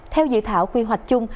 theo dự thảo quy hoạch chung